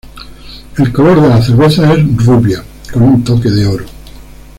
El color de la cerveza es rubia, con un toque de oro.